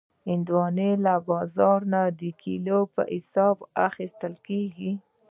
هندوانه له بازار نه د کیلو په حساب اخیستل کېږي.